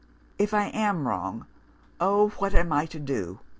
If I am wrong, oh, what am I to do?